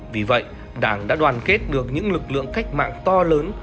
vì vậy đảng đã đoàn kết được những lực lượng cách mạng to lớn